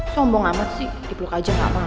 sombong amat sih dipeluk aja gak mau